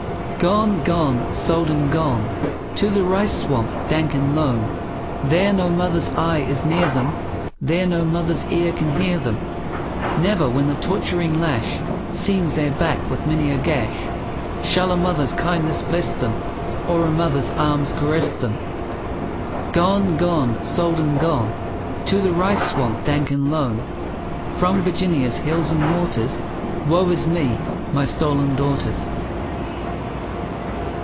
Gone, gone, sold and gone, To the rice swamp dank and lone. There no mother's eye is near them, There no mother's ear can hear them; Never, when the torturing lash Seams their back with many a gash, Shall a mother's kindness bless them, Or a mother's arms caress them. Gone, gone, sold and gone, To the rice swamp dank and lone, From Virginia's hills and waters; Woe is me, my stolen daughters!